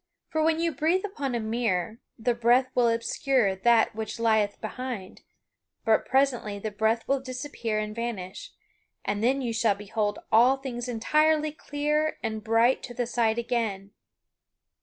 For when you breathe upon a mirror the breath will obscure that which lieth behind; but presently the breath will disappear and vanish, and then you shall behold all things entirely clear and bright to the sight again.